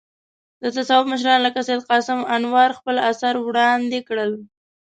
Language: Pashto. د تصوف مشران لکه سید قاسم انوار خپل اثار وړاندې کړل.